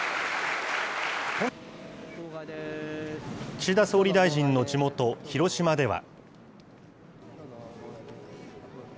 岸田総理大臣の地元、広島では。